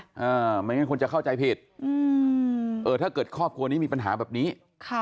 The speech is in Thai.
ไม่งั้นคนจะเข้าใจผิดอืมเออถ้าเกิดครอบครัวนี้มีปัญหาแบบนี้ค่ะ